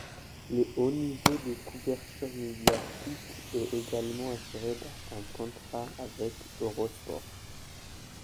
Le haut niveau de couverture médiatique est également assuré par un contrat avec Eurosport.